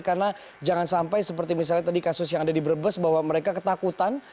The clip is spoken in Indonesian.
karena jangan sampai seperti misalnya tadi kasus yang ada di brebes bahwa mereka ketakutan